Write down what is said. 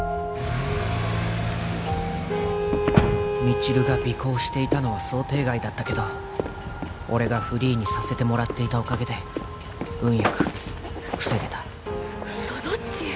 未知留が尾行していたのは想定外だったけど俺がフリーにさせてもらっていたおかげで運よく防げたとどっち